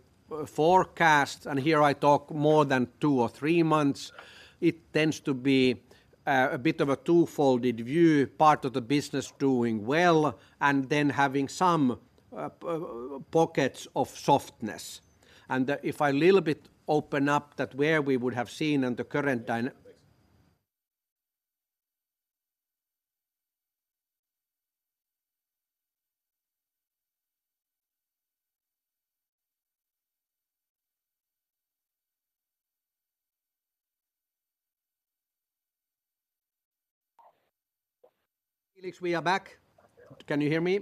forecast, and here I talk more than two or three months, it tends to be a bit of a two-folded view, part of the business doing well, and then having some pockets of softness. And if I little bit open up that where we would have seen in the current dyna. Felix, we are back. Can you hear me?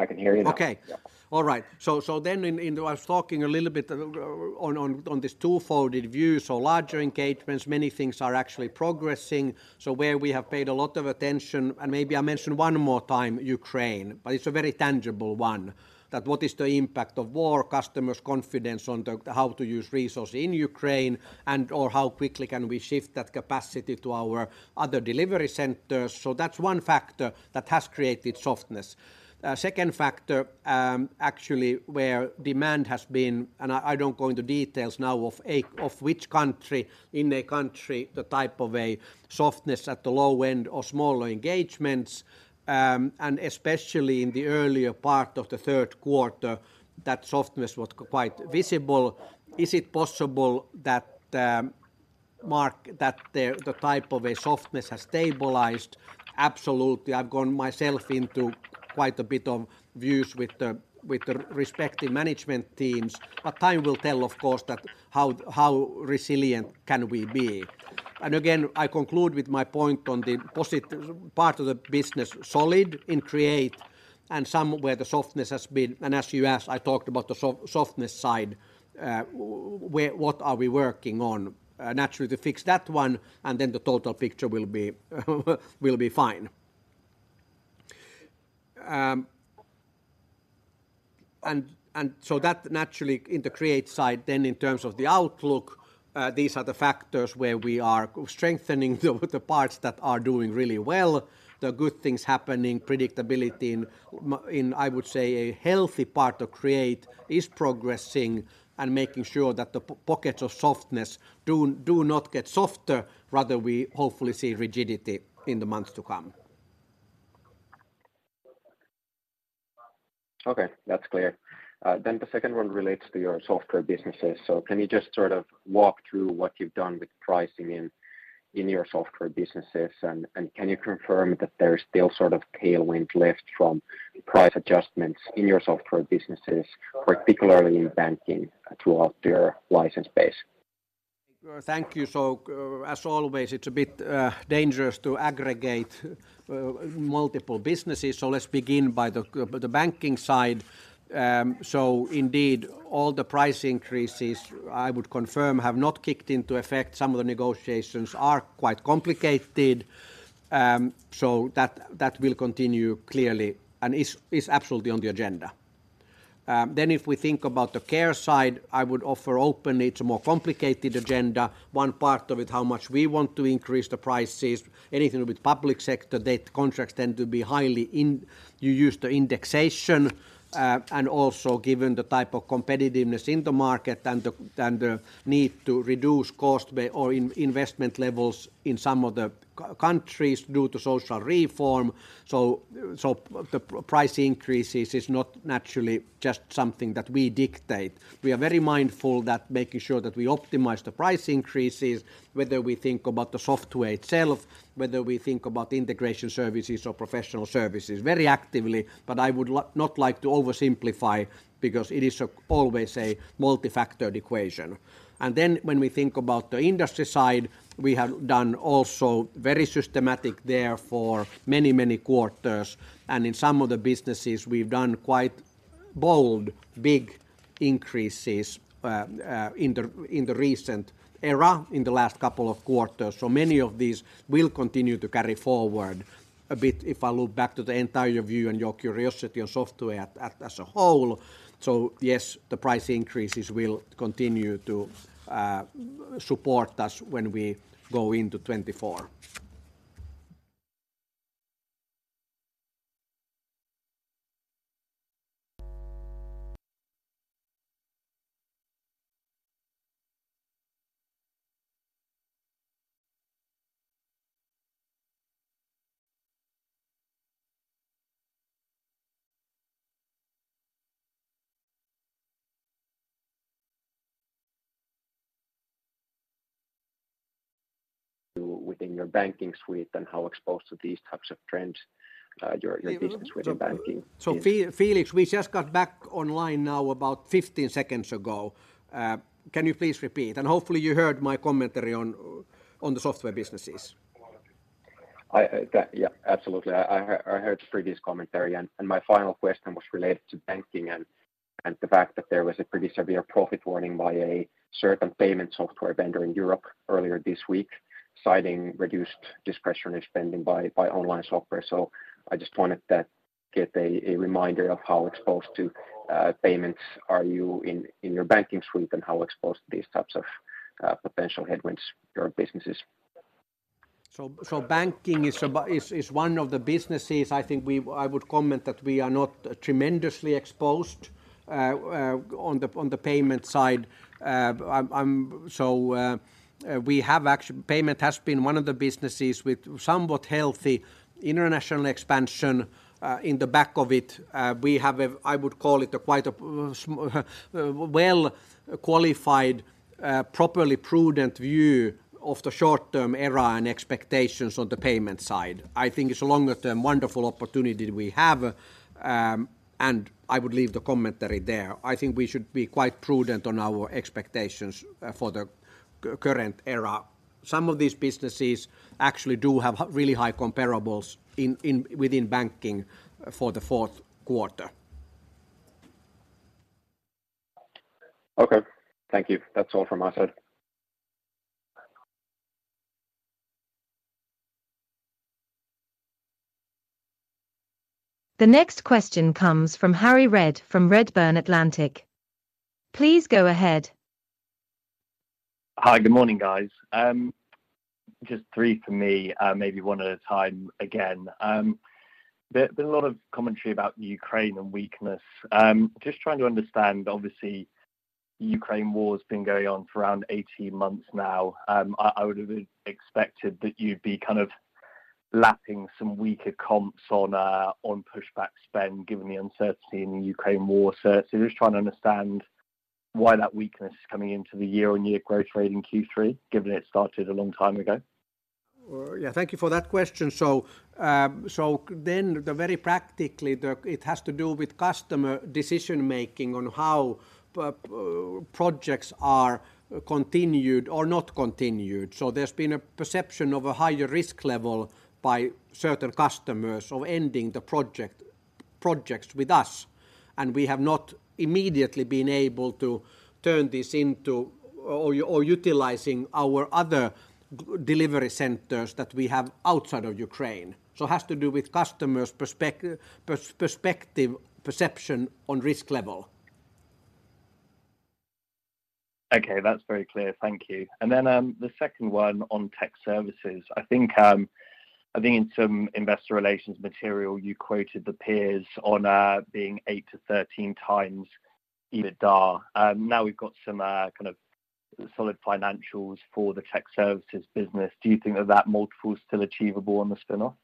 I can hear you now. Okay. Yeah. All right. So then I was talking a little bit on this two-fold view, so larger engagements, many things are actually progressing. So where we have paid a lot of attention, and maybe I mention one more time, Ukraine, but it's a very tangible one, that what is the impact of war, customers' confidence on how to use resource in Ukraine, and or how quickly can we shift that capacity to our other delivery centers? So that's one factor that has created softness. Second factor, actually, where demand has been, and I don't go into details now of which country, in a country, the type of a softness at the low end or smaller engagements, and especially in the earlier part of the third quarter, that softness was quite visible. Is it possible that. Mark that the type of softness has stabilized? Absolutely. I've gone myself into quite a bit of visits with the respective management teams, but time will tell, of course, that how resilient can we be. And again, I conclude with my point on the positive part of the business solid in Create and somewhere the softness has been. And as you asked, I talked about the softness side, where what are we working on? Naturally, to fix that one, and then the total picture will be fine. And so that naturally in the Create side, then in terms of the outlook, these are the factors where we are strengthening the parts that are doing really well. The good things happening, predictability in, I would say, a healthy part of Create is progressing and making sure that the pockets of softness do not get softer, rather we hopefully see rigidity in the months to come. Okay, that's clear. Then the second one relates to your software businesses. So can you just sort of walk through what you've done with pricing in, in your software businesses? And, and can you confirm that there is still sort of tailwind left from price adjustments in your software businesses, particularly in banking, throughout your license base? Thank you. So, as always, it's a bit dangerous to aggregate multiple businesses, so let's begin by the banking side. So indeed, all the price increases, I would confirm, have not kicked into effect. Some of the negotiations are quite complicated. So that will continue clearly and is absolutely on the agenda. Then if we think about the care side, I would offer openly, it's a more complicated agenda. One part of it, how much we want to increase the prices. Anything with public sector, the contracts tend to be highly in. You use the indexation, and also given the type of competitiveness in the market and the need to reduce cost or investment levels in some of the countries due to social reform. So, the price increases is not naturally just something that we dictate. We are very mindful that making sure that we optimize the price increases, whether we think about the software itself, whether we think about the integration services or professional services very actively. But I would not like to oversimplify because it is always a multi-factored equation. And then when we think about the industry side, we have done also very systematic there for many, many quarters, and in some of the businesses, we've done quite bold, big increases in the recent era, in the last couple of quarters. So many of these will continue to carry forward a bit if I look back to the entire view and your curiosity on software as a whole. So yes, the price increases will continue to support us when we go into 2024. Within your banking suite and how exposed to these types of trends, your, your business within banking? So Felix, we just got back online now about 15 seconds ago. Can you please repeat? And hopefully, you heard my commentary on the software businesses. Yeah, absolutely. I heard the previous commentary, and my final question was related to banking and the fact that there was a pretty severe profit warning by a certain payment software vendor in Europe earlier this week, citing reduced discretionary spending by online software. So I just wanted to get a reminder of how exposed to payments are you in your banking suite, and how exposed to these types of potential headwinds your business is. So banking is one of the businesses I think I would comment that we are not tremendously exposed on the payment side. Payment has been one of the businesses with somewhat healthy international expansion in the back of it. We have a, I would call it, a quite well-qualified, properly prudent view of the short-term era and expectations on the payment side. I think it's a longer-term wonderful opportunity we have, and I would leave the commentary there. I think we should be quite prudent on our expectations for the current era. Some of these businesses actually do have really high comparables within banking for the fourth quarter. Okay. Thank you. That's all from my side. The next question comes from Harry Read from Redburn Atlantic. Please go ahead. Hi, good morning, guys. Just three for me, maybe one at a time again. There's been a lot of commentary about Ukraine and weakness. Just trying to understand, obviously, the Ukraine war's been going on for around 18 months now. I would have expected that you'd be kind of lapping some weaker comps on pushback spend, given the uncertainty in the Ukraine war. So, just trying to understand why that weakness is coming into the year-on-year growth rate in Q3, given it started a long time ago? Yeah, thank you for that question. So, so then the very practically, the, it has to do with customer decision-making on how projects are continued or not continued. So there's been a perception of a higher risk level by certain customers of ending the project, projects with us, and we have not immediately been able to turn this into or utilizing our other delivery centers that we have outside of Ukraine. So it has to do with customers perspective, perception on risk level. Okay, that's very clear. Thank you. And then, the second one on Tech Services. I think, I think in some investor relations material, you quoted the peers on, being 8x-13x EBITDA. Now we've got some kind of solid financials for the Tech Services business. Do you think that that multiple is still achievable on the spin-off?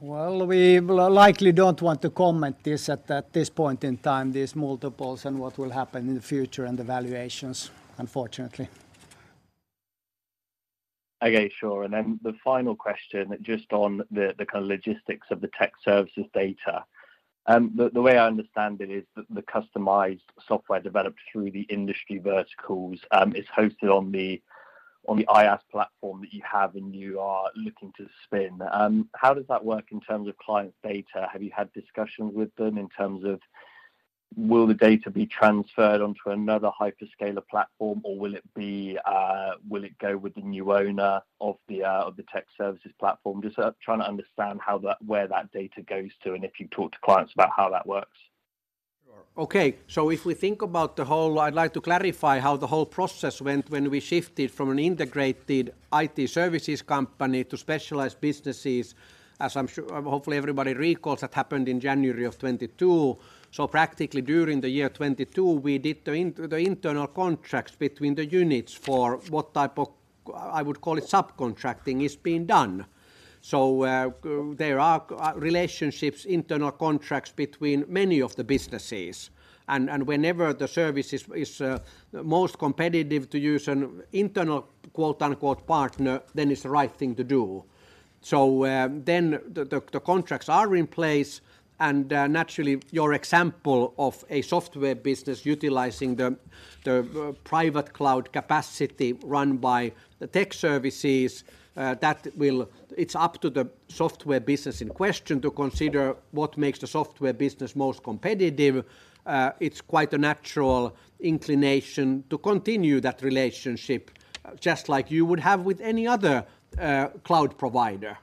Well, we will likely don't want to comment this at this point in time, these multiples and what will happen in the future and the valuations, unfortunately. Okay, sure. And then the final question, just on the kind of logistics of the Tech Services data. The way I understand it is that the customized software developed through the industry verticals is hosted on the IaaS platform that you have, and you are looking to spin. How does that work in terms of client data? Have you had discussions with them in terms of will the data be transferred onto another hyperscaler platform, or will it go with the new owner of the Tech Services platform? Just trying to understand where that data goes to, and if you've talked to clients about how that works. Okay. So if we think about the whole, I'd like to clarify how the whole process went when we shifted from an integrated IT services company to specialized businesses, as I'm sure, hopefully everybody recalls, that happened in January of 2022. So practically during the year 2022, we did the internal contracts between the units for what type of, I would call it subcontracting, is being done. So, there are, relationships, internal contracts between many of the businesses, and whenever the service is most competitive to use an internal, quote-unquote, partner, then it's the right thing to do. So, then the contracts are in place, and naturally, your example of a software business utilizing the private cloud capacity run by the Tech Services, it's up to the software business in question to consider what makes the software business most competitive. It's quite a natural inclination to continue that relationship, just like you would have with any other cloud provider.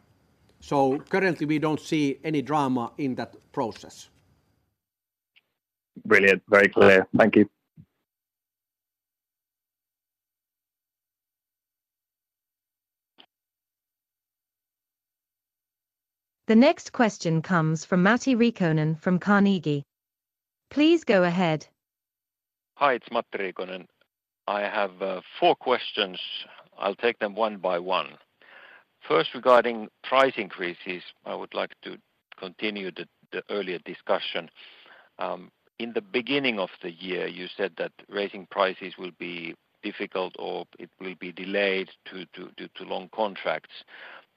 So currently, we don't see any drama in that process. Brilliant. Very clear. Thank you. The next question comes from Matti Riikonen, from Carnegie. Please go ahead. Hi, it's Matti Riikonen. I have four questions. I'll take them one by one. First, regarding price increases, I would like to continue the earlier discussion. In the beginning of the year, you said that raising prices will be difficult or it will be delayed due to long contracts.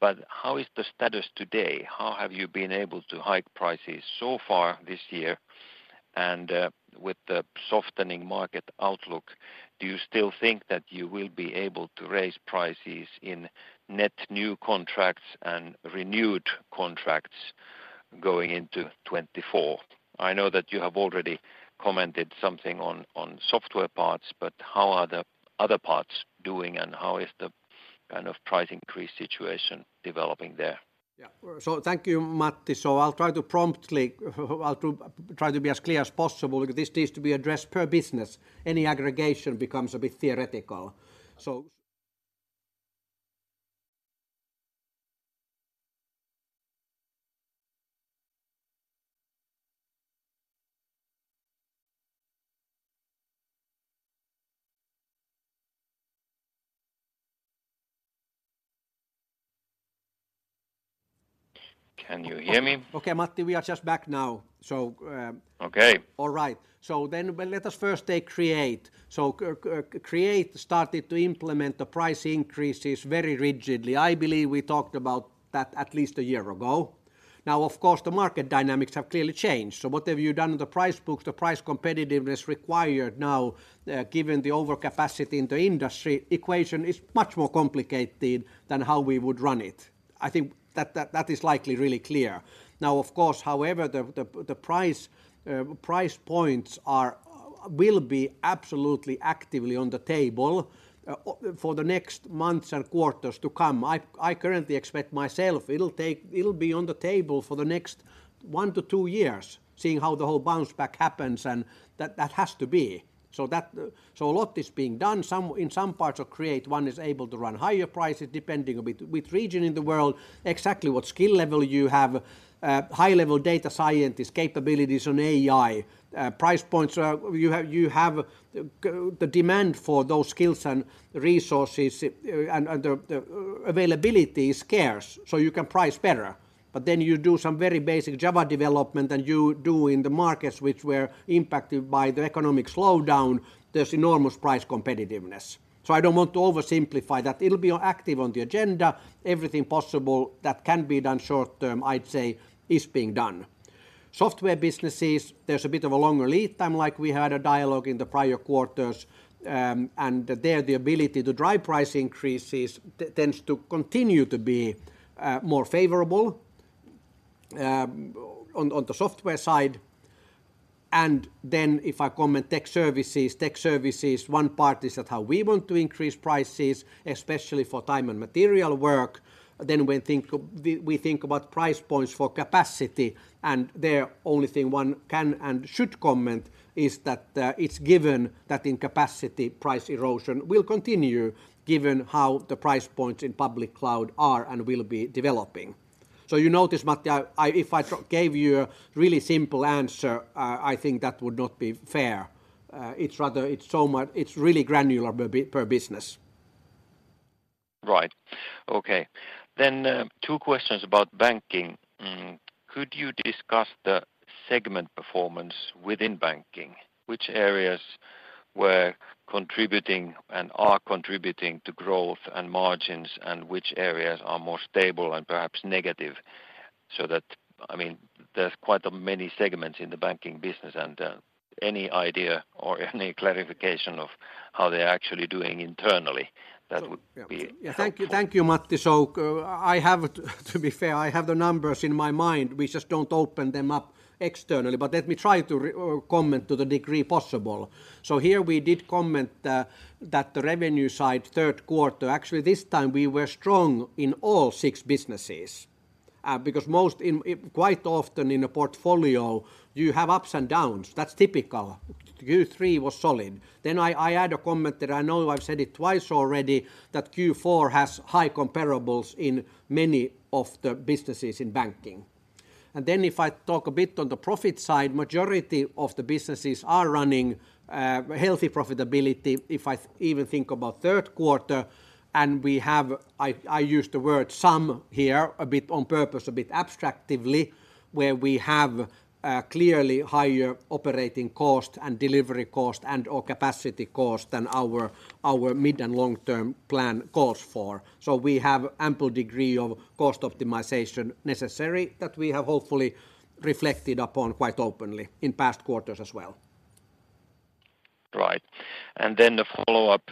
But how is the status today? How have you been able to hike prices so far this year? And with the softening market outlook, do you still think that you will be able to raise prices in net new contracts and renewed contracts going into 2024? I know that you have already commented something on software parts, but how are the other parts doing, and how is the kind of price increase situation developing there? Yeah. So thank you, Matti. So I'll try to promptly try to be as clear as possible because this needs to be addressed per business. Any aggregation becomes a bit theoretical. So. Can you hear me? Okay, Matti, we are just back now. So. Okay. All right. So then let us first take Create. So Create started to implement the price increases very rigidly. I believe we talked about that at least a year ago. Now, of course, the market dynamics have clearly changed. So what have you done on the price books? The price competitiveness required now, given the overcapacity in the industry, equation is much more complicated than how we would run it. I think that, that, that is likely really clear. Now, of course, however, the price points will be absolutely actively on the table for the next months and quarters to come. I currently expect myself it'll be on the table for the next one to two years, seeing how the whole bounce back happens, and that, that has to be. So that. So a lot is being done. In some parts of Create, one is able to run higher prices, depending a bit which region in the world, exactly what skill level you have, high-level data scientist capabilities on AI, price points. You have the demand for those skills and resources, and the availability is scarce, so you can price better, but then you do some very basic Java development than you do in the markets which were impacted by the economic slowdown, there's enormous price competitiveness. So I don't want to oversimplify that. It'll be active on the agenda. Everything possible that can be done short-term, I'd say, is being done. Software businesses, there's a bit of a longer lead time, like we had a dialogue in the prior quarters, and there, the ability to drive price increases tends to continue to be more favorable on the software side. And then if I comment Tech Services, Tech Services, one part is that how we want to increase prices, especially for time and material work. Then when we think about price points for capacity, and there, only thing one can and should comment is that it's given that in capacity, price erosion will continue, given how the price points in public cloud are and will be developing. So you notice, Matti, if I gave you a really simple answer, I think that would not be fair. It's rather. It's really granular per business. Right. Okay. Then, two questions about banking. Could you discuss the segment performance within banking? Which areas were contributing and are contributing to growth and margins, and which areas are more stable and perhaps negative? So that, I mean, there's quite a many segments in the banking business, and, any idea or any clarification of how they're actually doing internally, that would be. Yeah. Thank you. Thank you, Matti. So, to be fair, I have the numbers in my mind. We just don't open them up externally, but let me try to comment to the degree possible. So here we did comment that the revenue side, third quarter, actually, this time we were strong in all six businesses. Because quite often in a portfolio, you have ups and downs. That's typical. Q3 was solid. Then I had a comment that I know I've said it twice already, that Q4 has high comparables in many of the businesses in banking. And then if I talk a bit on the profit side, majority of the businesses are running healthy profitability. If I even think about third quarter, and we have. I use the word some here a bit on purpose, a bit abstractively, where we have clearly higher operating cost and delivery cost and/or capacity cost than our mid- and long-term plan calls for. So we have ample degree of cost optimization necessary that we have hopefully reflected upon quite openly in past quarters as well. Right. And then the follow-up: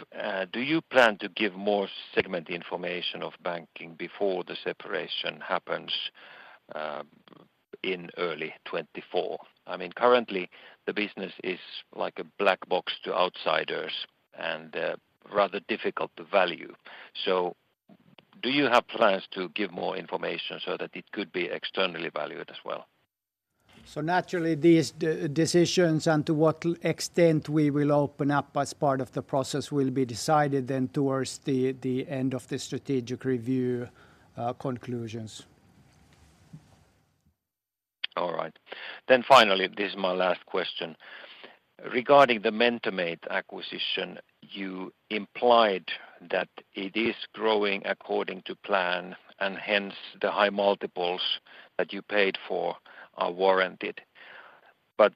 Do you plan to give more segment information of banking before the separation happens in early 2024? I mean, currently, the business is like a black box to outsiders and rather difficult to value. So do you have plans to give more information so that it could be externally valued as well? So naturally, these decisions and to what extent we will open up as part of the process will be decided then towards the end of the strategic review conclusions. All right. Then finally, this is my last question. Regarding the MentorMate acquisition, you implied that it is growing according to plan, and hence, the high multiples that you paid for are warranted. But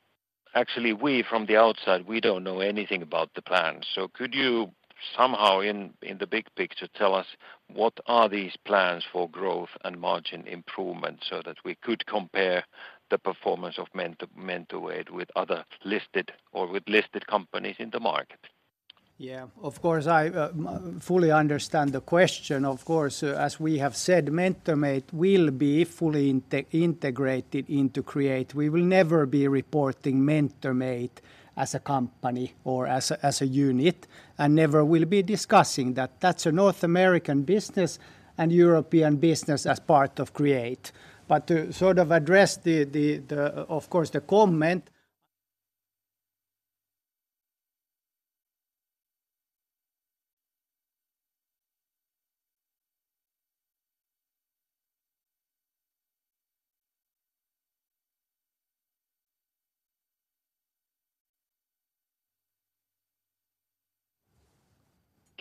actually, we, from the outside, we don't know anything about the plan. So could you somehow in the big picture, tell us what are these plans for growth and margin improvement so that we could compare the performance of MentorMate with other listed or with listed companies in the market? Yeah. Of course, I fully understand the question. Of course, as we have said, MentorMate will be fully integrated into Create. We will never be reporting MentorMate as a company or as a unit, and never will be discussing that. That's a North American business and European business as part of Create. But to sort of address the, of course, the comment.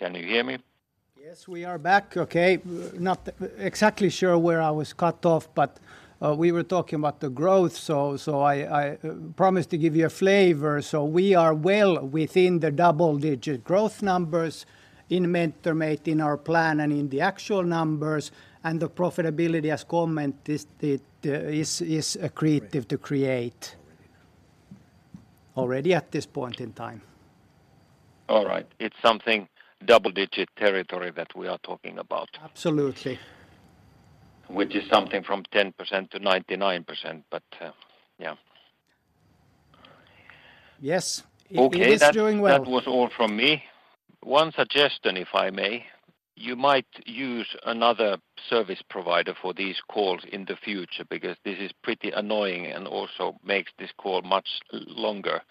Can you hear me? Yes, we are back. Okay. Not exactly sure where I was cut off, but, we were talking about the growth, so, so I, I promised to give you a flavor. So we are well within the double-digit growth numbers in MentorMate, in our plan and in the actual numbers, and the profitability, as comment, is, is accretive to Create. Already at this point in time. All right. It's something double-digit territory that we are talking about? Absolutely. Which is something from 10%-99%, but, yeah. Yes, it is doing well. Okay, that, that was all from me. One suggestion, if I may: you might use another service provider for these calls in the future because this is pretty annoying and also makes this call much longer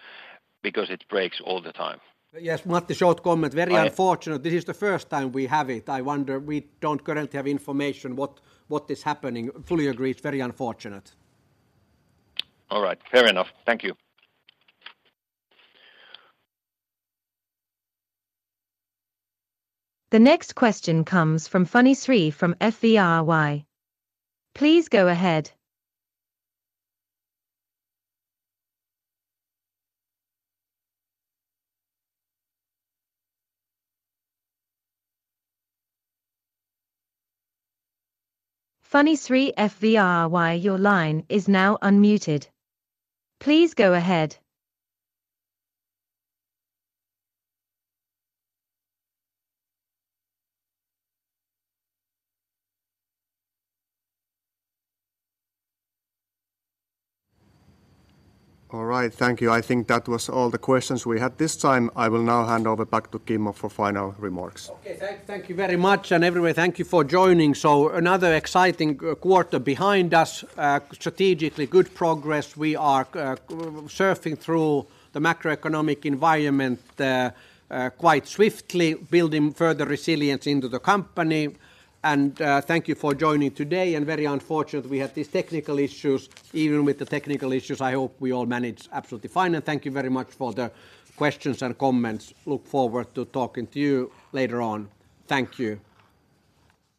because it breaks all the time. Yes, Matti, short comment. I. Very unfortunate. This is the first time we have it. I wonder, we don't currently have information what, what is happening. Fully agree, it's very unfortunate. All right. Fair enough. Thank you. The next question comes from Funny Sree from FURY. Please go ahead. Funny Sree FURY, your line is now unmuted. Please go ahead. All right. Thank you. I think that was all the questions we had this time. I will now hand over back to Kimmo for final remarks. Okay. Thank, thank you very much, and everybody, thank you for joining. So another exciting quarter behind us, strategically good progress. We are surfing through the macroeconomic environment quite swiftly, building further resilience into the company. And thank you for joining today, and very unfortunate we had these technical issues. Even with the technical issues, I hope we all managed absolutely fine, and thank you very much for the questions and comments. Look forward to talking to you later on. Thank you.